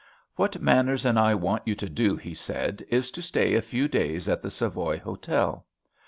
"What Manners and I want you to do," he said, "is to stay a few days at the Savoy Hotel.